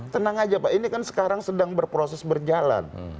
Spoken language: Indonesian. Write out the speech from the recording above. tenang aja pak ini kan sekarang sedang berproses berjalan